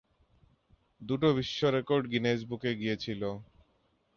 দুটো বিশ্ব record Guinness বুকে গিয়েছিল।